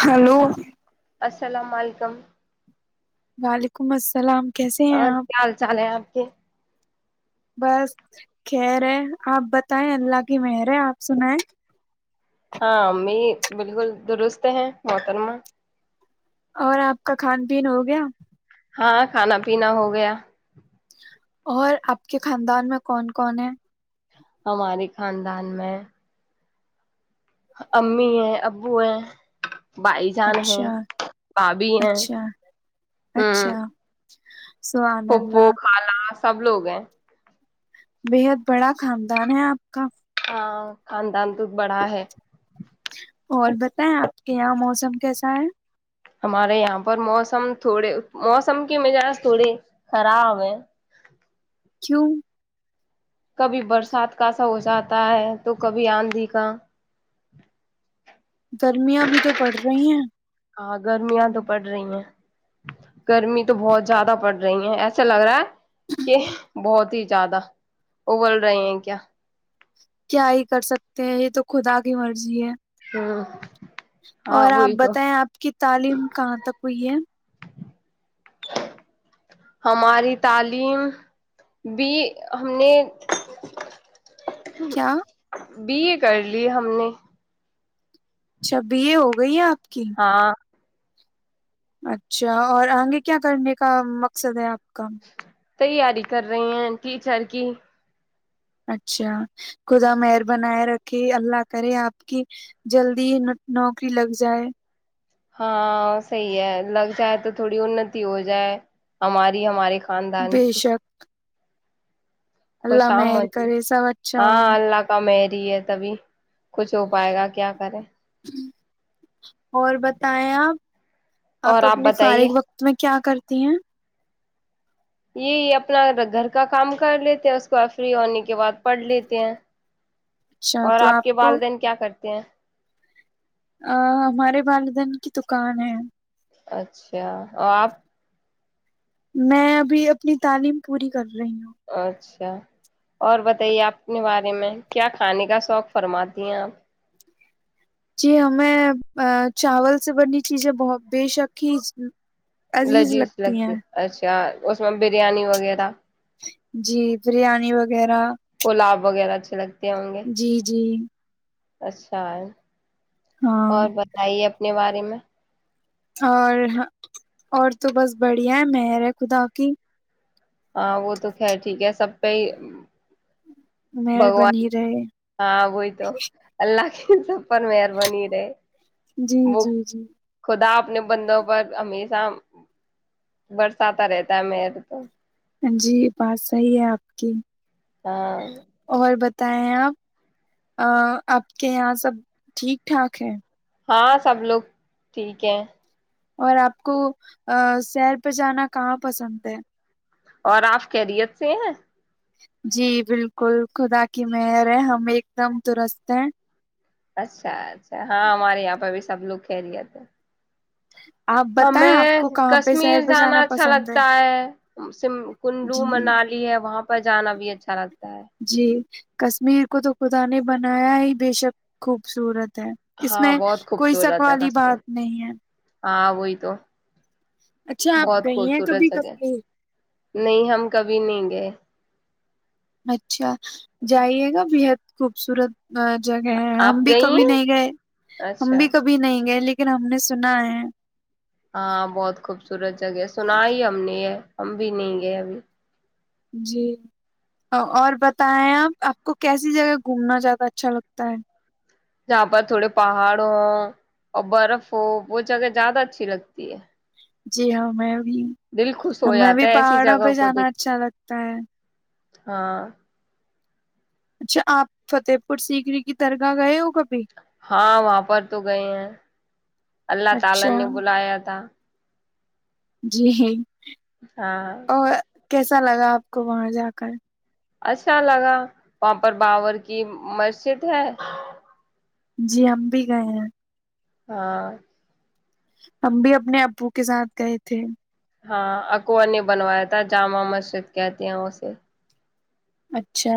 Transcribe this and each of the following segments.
Hello السلام علیکم وعلیکم السلام کیسے ہیں اور آپ کیا حال چال ہے آپ کہ [unintelligible] بس خیر ہے آپ بتائیں اللہ کی مہر ہے آپ سنیں ہاں امی بالکل درست ہیں محترما اور آپ کا کھان پین ہو گیا ہاں کھانا پینا ہو گیا اور آپ کے خاندان میں کون کون ہیں؟ ہمارے خاندان میں امی ہیں ابو ہیں بھائی جان ہیں اچھا بابھی ہیں اچھا ہ اچھا سبحان پھپھو اللہ خال سب لوگ ہیں بےحد بڑا خاندان ہے آپ کا ہاں کھا ک بڑا ہے اور آپ کے یہاں موسم کیسا ہے ہمارے یہاں پر موسم تھوڑے موسم کی مجاج تھوڑے خراب ہے کیوں کبھی برسات کا سا ہو جاتا ہے تو کبھی آندھی کا گرمیاں بھی تو پڑ رہی ہیں ہاں گرمیاں تو پڑ رہی ہیں گرمی تو بہت زیادہ پڑ رہی ہیں ایسا لگ رہا ہے کہ بہت ہی زیادہ ا بول رہے ہیں کیا کیا ہی کر سکتے ہیں یہ تو خدا کی مرضی ہے ہمم اور آپ بتائیں آپ کی تعلیم کہاں تک ہوئی ہے ہماری تعلیم بھی ہم نے کیا بی اے کر لی ہم نے اچھا بی اے ہو گئی ہیں آپ کی ہاں اچھا اور آگے کیا کرنے کا مقصد ہے اب کم تیاری کر رہی ہیں ٹیچر کی اچھا خدا مہر بنائے رکھے اللہ کرے آپ کی جلدی نوکری لگ جائے ہاں صحیح ہے لگ جائے تو تھوڑی انتی ہو جائے ہماری ہماریے کاندان بے کی شک خوش اللہ مہر آمتی کرے سب اچھا ہاں ہو اللہ کا میں ہے تبھی کچھ ہو پائے گا کیا کریں اور بتائیں آپ اور آپ اپنی بتائیے فارغ وقت میں کیا کرتی ہیں یہ اپنا گھر کا کام کر لیتے ہیں اس کو فری ہونے کے بعد پڑھ لیتے ہیں اچھا اور تو آپ کے کو والدین کیا کرتے کیا ا ہمارے والدن کی دکان ہے اچھا اور آپ میں ابھی اپنی تعلیم پوری کر رہی ہوں اچھا اور بتائیے اپپنے بارے میں کیا کھانے کا شوق فرماتی ہیں آپ جی ہمیں چاول سے بنینی چیزیں بہت بے شک ہی عزیز لذیذ لگتی ہیں ہے اچھا کیا اس میں بریانی وغیرہ جی بریانی وغیرہ پلاو وغیرہ اچھے لگتے ہوں گے جی جی اچھا ہاں اور بتائیے اپنے بات م [unintelligible] اور اور تو بس بڑھیا ہے مہر ہے خدا کی ہاں وہ تو خیر ٹھیک ہے سب پہ ہی مہر بگوان بنی رہے ہاں وہی تو اللہ کی سب پر مہربانی رہے جی وہ جی جی خدا اپنے بندوں پر ا برساتات رہتا ہے تو جی بات صحیح ہے آپ کی ہاں بتیں آپ آپ کے یہاں سب ٹھیک ٹھاک ہے ہاں سب لوگ ٹھیک ہے اور آپ کو سیر پہ جانا کہاں پسند ہے اور آپ خیریت سے ہیں جی بالکل خدا کی مر ہے ہم ایک دم درست ہیں اچھا اچھا ہاں ہمارے یہاں پہ سب لوگ کہہ رہ جتے ہیں آپ بتائیں ہمیں آپ کو کہاں پہ کشمیر سیر پہ جانا اچھا پسند ہے لگتا ہے کلو جی منالی ہے وہاں پ جانا بھی اچھا لگتا ہے جی کشمیر کو تو خدا نے بنایا ہی بے شک خوبصورت اس ہاں میں بہت کوئی شک خوبصورت ہے والی کشمیر بات نہیں ہے ہاں وہئی تو اچھا آپ بہت گئی ہیں خوبصورت کبھی جگہ کشمیر نہیں ہم کبھی نہیں گئے اچھا جائیے گا بحد خوبصورت جگہ ہیں ہم آپ بھی گئی کبھی ہیں نہیں گئے ہم اچھا بھی کبھی نہیں گئے لیکن لیکن ہم نے سنا ہے ہاں بہت خوبصورت جگہ ہے سنا ہی ہم نے یہ ہم بھی نہیں گئے ابھی جی اور بتائیں آپ آپ کو کیسی جگہ گھومنا زیادہ اچھا لگتا ہے جہاں پر تھوڑے پہاڑ ہوں اور برف ہو وہ جگہ زیادہ اچھی لگتی ہے جی ہاں میں دل خوش ہو ہمیں جاتا بھی ہے ایسی پہاڑوں جگہ پہ کو جانا دیکھ اچھا لگتا ہے ہاں اچھا آپ فتح پور سیکری کی درگاہ گئے ہو کبھی ہاں وہاں پر تو گئے ہیں اللہ تعالی نے اچھا بلایا تھا جی ہ ہاں کیسا لگا آپ کو وہاں جا کر اچھا لگا وہاں پر باورور کی مسجد ہے جی ہم بھی گئے ہیں ہاں ہم بھی اپنے ابو کے ساتھ گئے تھے ہاں اکوو نے بنوایا تھا جامع مسجد کہتی ہیں اسے اچھا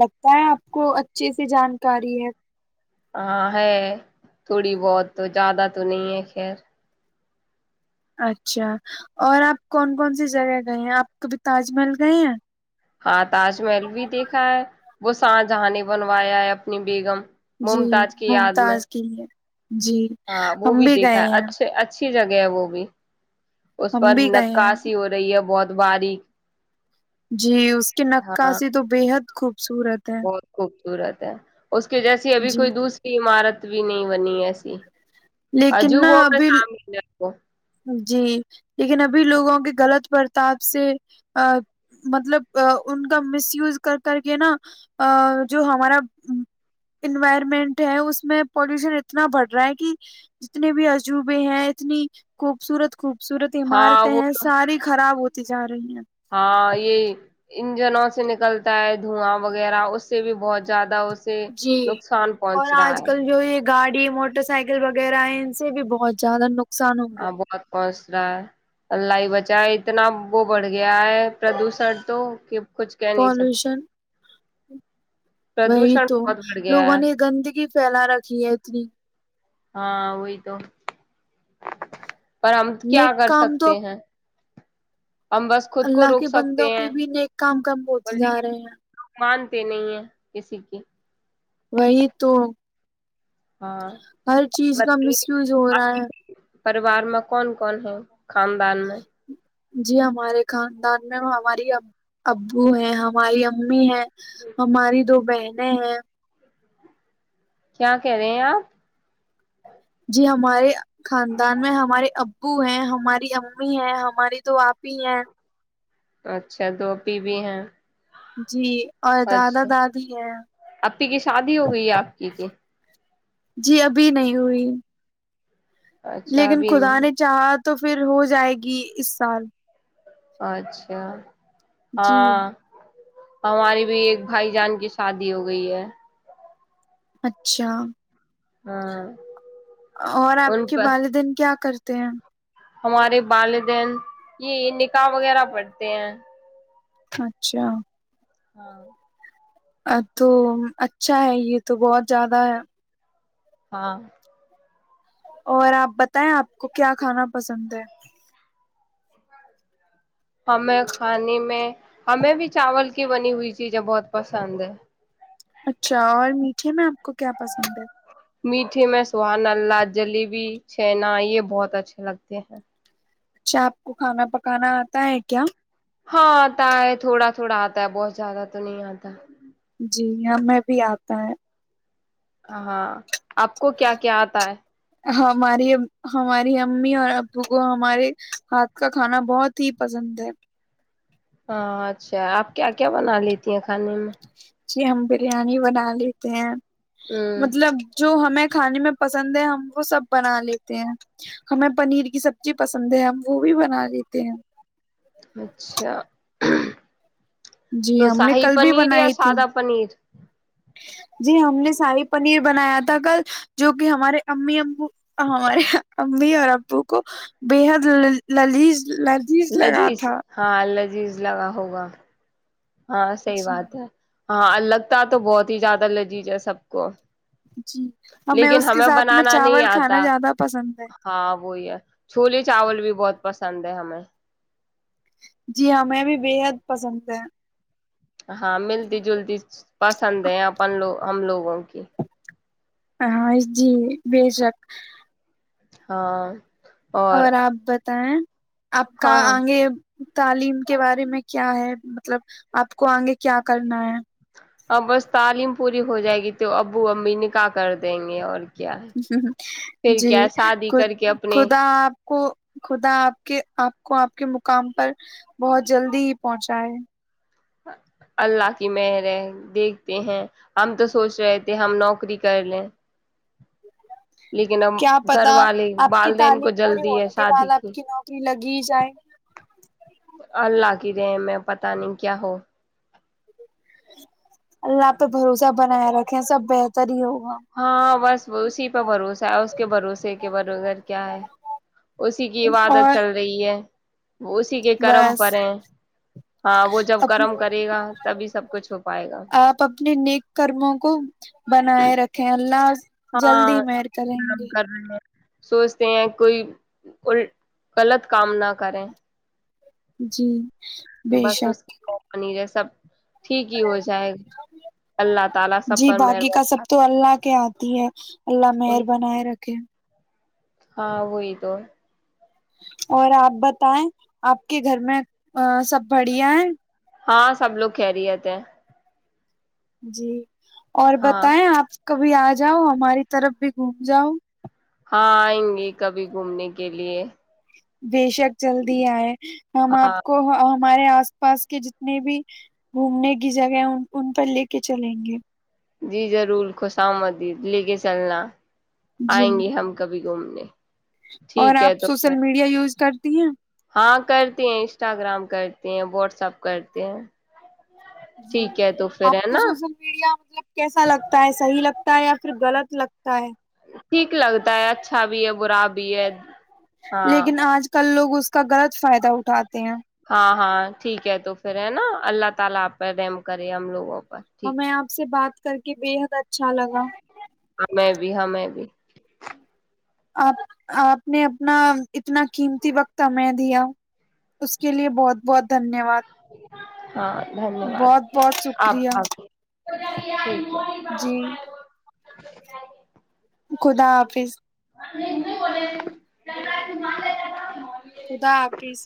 لگتا ہے آپ کو اچھے سے جانکاری ہے ہاں ہے تھوڑی بہت تو زیادہ تو نہیں ہے خیر اچھا اور آپ کون کون سی جگہ گئے ہیں آپ کبھی تاج محل گئے ہیں ہاں تاج محل بھی دیکھا ہے وہ شاہجہاں نے بنوایا ہے اپنی بیگم جی ممتاز کی یاد میں ممتاز کی ہے جی ہم بھی گئے ہیں اھی جگہ وہ بھی اس ہم پر بھی گئے ہیں ناسیی ہو رہی ہے بہت بارییک جی اس کے نکا سے تو بےحد خوب بہت خوبصورت ہے اس کے جیسی ابھی جی کوئی دوسری عمارت بھی نہیں بنی ہے سی لیکن عجو نا وہ پ ابھی سام وہ جی لیکن ابھی لوگوں کے غلط برتاپ سے مطلب ان کا مس وز کر کر کے نا جو ہمارا انوائرمنٹ ہے اس میں پولوشن اتنا بڑھ رہا ہے کہ جتنے بھی عجوبے ہیں اتنی خوبصورت خوبصورت ہاں عمارتیں وہ ہیں ساری خراب ہوتی ج جار ہاں یہ انجنوں سے نکلتا ہے دھواں وغیرہ اس سے بھی بہت زیادہ اس جی اور آج کل جو ایک گاڑی موٹر سائیکل وغیرہ ہے ان سے بھی بہت زیادہ ن ہاں بہت بس الائی بچا اتنا وہ بڑھ گیا ہے پردوشن تو کہ کچھ کہہ نہیں سکتے پالوشن وہی پردوشن تو بہت بڑھ گیا لوگوں ہے نے گندگی پھیلا رکھی ہے اتنی ہاں وہ تو پر ہم کیا نیک کر کام تو اب سکتے ہیں ہم بس خود کو اللہ روک کے سکتے بندوں ہیں کے بھی نیک کام کم اور ہوتے جا لیکن رہے ہیں مانتے نہیں ہیں کسی کی وہی تو ہاں ہر چیز کا مس بتائیے یوز ہو رہا ہے پریوار میں کون کون ہے خاندان میں جی ہمارے خاندان میں ہماری ابو ہیں ہماری امی ہے ہماری دو بہن نہیں ہے کیا کہہ رہے ہیں آپ ہمارے خاندان میں ہمارے ابو ہیں ہماری امی ہیں ہماری دو آپی ہیں اچھا تواپی بھی ہیں جی اور دادا اچھا دادی ہیں اپی کی شادی ہو گئی ہے آپ کی کی جی ابھی نہیں ہوئی اچھا لیکن ابھی خدا نہیں نے چاہا تو پھر ہو جائے گی اس سال اچھا جی ہاں ہماری بھی ایک بھائی جان کی شادی ہو گئی ہے اچھا ہاں اور آپ ان کے پر والدین کیا کرت تے ہیں ہمارے والدین یہ نکاح وغیرہ پڑتے ہیں اچھا ہاں ا تو اچھا ہے یہ تو بہت زیادہ ہے ہاں اور آپ بتائیں آپ کو کیا کھانا پسند ہے ہمیں کھانے میں ہمیں بھی چاول کی بنی ہوئی چیزیں بہت پسند ہے اچھا اور میٹھے میں آپ کو کیا پسند ہے میٹھے میں سہانلہ جلیبی چنا یہ بہت اچھے لگتے ہیں اچھا آپ کو کھانا پکانا آتا ہے کیا ہاں آتا ہے تھوڑا تھوڑا آتا ہے بہت زیادہ تو نہیں آتا دیا میں بھی آتا ہے ہاں آپ کو کیا کیا آتا ہے ہماری ہماری امی اور ابو کو ہمارے ہاتھ کا کھانا بہت ہی پسند ہے ہاں اچھا آپ کیا کیا بنا لیتی ہیں کھانے میں جی ہم بریانی بنا لیتے ہیں ہوں مطلب جو ہمیں کھانے میں پسند ہے ہم وہ سب بنا لیتے ہیں ہمیں پنیر کی سبزی پسند ہے ہم وہ بھی بنا لیتے ہیں اچھا تو جی ہم نے شاہی کل بھی پنیر یا بنائی تھی سادہ پنیر جی ہم نے شاہی پنیر بنایا تھا کل جو کہ ہمارے امی ابو ہمارے امی اور ابو کو بےحد ل للیج لرجیز لگا تھا یز لگا ہوگا ہاں صحی جی بات ہے ہاں لگتا ہے تو بہت ہی زیادہ لذیذ ہے سب کو جی لیکن اس کے ہمیں ساتھ میں بنانا نہیں چاول آتا کھانا زیادہ پسند ہے ہاں وہی ہے چھولی چاول بھی بہت پسند ہے ہمیں جی ہاں ہمیں بھی بےحد پسند ہے ہاں ملتی جلتی پسند ہے اپن لوگ ہم لوگوں کی ہاں جی بے شک ہاں اور آپ بتائیں آپ کا ہاں آگے تعلیم کے بارے میں کیا ہے مطلب آپ کو آگے کیا کرنا ہے ہاں بس تعلیم پوری ہو جائے گی تو ابو ابمی نکاح کر دیں گے اور کیا ہے ہ پھر جی کیا خ شادی کر کے اپنے خدا آپ کو خدا آپ کے آپ کو آپ کے کام پر بہت جلدی ہی پہنچا ہے اللہ کی مر ہے دیکھتے ہیں ہم تو سوچ رہے تھے ہم نوکری کر لیں لیکن اب کیا گھر پتا والے آپ کی والدین تعلیم کو پوری جلدی ہے ہونے کے شادی بعد آپ کی نوکری لگی جی جائ اللہ کی رہے میں پتاہ نہیں کیا ہو اللہ آپ پہ بھروسہ بنایا رکھے سب بہتر ہی ہوگ ہاں بس اسی پہ بھروسہ ہے اس کے بھروسے کے برور کیا ہے اسی کی عبادت اور چل رہی ہے وہ اسی کے کرم بس پر ہیں ہاں وہ جب اپ کرم کرے گا تبھی سب کچھ ہو پائے گا آپ اپنے نیک کرموں کو بنائے رکھے اللہ ہاں جلد ہی مہر کریں گرم گے کر رہے ہیں سوچتے ہیں کوئی غلط کام نہ کریں جی بے بس اس شک کی کپنی جیس سب ہ تی ہے اللہ مہر بنائے رکھے ہاں وہی تو اور آپ بتائیں آپ کے گھر میں سب بڑھیا ہیں ہاں سب لوگ کہہ رہیتے ہیں جی اور ہاں بتائیں آپ کبھی آ جاؤ ہماری طرف بھی گھوم جاؤ ہاں آئیں گے کبھی گھومنے کے لیے بے شک جلدی آئے ہم آپ ہاں کو ہمارے آس پاس کے جتنے بھی گھومنے کی جگہ ہے ان پر لے کے چلیں گے جی ضرور خوش آؤں مدید لے کے چلنا جی آئیں گی ہم کبھی گھومنے اور ٹھیک ہے آپ تو پھر سوشل میڈیا یوز کر تین ہاں کرتے ہیں انسٹاگرام کرتے ہیں واٹسپ کرتے ہیں جی ٹھیک ہے تو پھر آپ ہے کو نا سوشل میڈیا مطلب کیسا لگتا ہے صحیح لگتا ہے یا پھر غلط لگ ٹھیک لگتا ہے اچھا بھی ہے برا بھی بی ایڈ لیکن آج کل لوگ اس ک گرت ک فائدہ اٹھاتے ہیں ہاں ہاں ٹھیک ہے تو پھر ہے نا اللہ تعالی اپ پر رحم کرے ہم لوگ اور میں آپ سے بات کر کے بےحد اچھا لگا ہمیں بھی ہ میں بھی آپ آپ نے اپنا اتنا قیمتی وقت ہمیں دیا اس کے لیے بہت بہت دھنیہ واد ہ ہاں دھنیہ واد بہت بہت آپ شکریہ آے ٹھیک جی ہے [inaudible] خدا حافظ بولے خدا آپریز